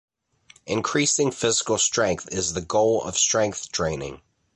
Increasing physical strength is the goal of strength training.